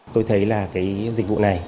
tôi thấy là cái dịch vụ này